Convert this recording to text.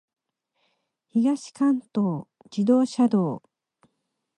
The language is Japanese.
東関東自動車道